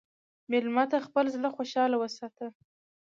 مېلمه ته خپل زړه خوشحال وساته.